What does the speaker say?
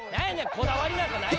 こだわりなんかないやろ！」